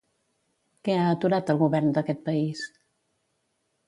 Què ha aturat el govern d'aquest país?